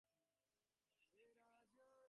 ওঠো, storm breaker.